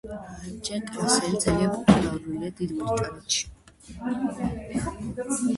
ჯეკ რასელი ძალიან პოპულარულია დიდ ბრიტანეთში.